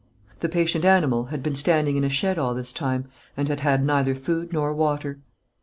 The patient animal had been standing in a shed all this time, and had had neither food nor water.